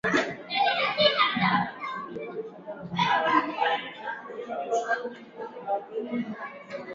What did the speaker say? Dresdengo Alde Zaharrean kokatzen da.